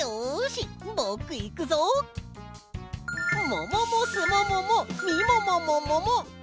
もももすもももみももももも！